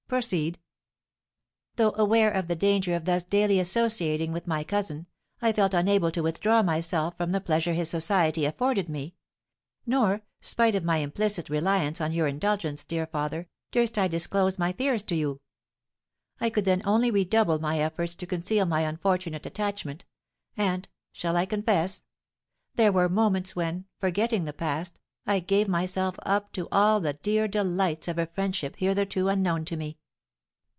Proceed." "Though aware of the danger of thus daily associating with my cousin, I felt unable to withdraw myself from the pleasure his society afforded me; nor, spite of my implicit reliance on your indulgence, dear father, durst I disclose my fears to you. I could then only redouble my efforts to conceal my unfortunate attachment, and shall I confess? there were moments when, forgetting the past, I gave myself up to all the dear delights of a friendship hitherto unknown to me.